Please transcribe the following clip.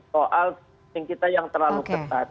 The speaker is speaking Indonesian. soal testing kita yang terlalu ketat